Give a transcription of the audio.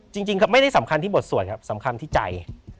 จริงไม่ได้สำคัญที่บทสวดครับสำคัญที่ใจ